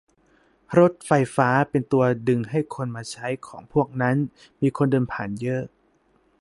รถไฟฟ้าเป็นตัวดึงให้คนมาใช้ของพวกนั้น มีคนเดินผ่านเยอะ